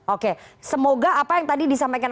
oke semoga apa yang tadi disampaikan